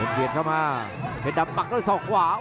อื้อหือจังหวะขวางแล้วพยายามจะเล่นงานด้วยซอกแต่วงใน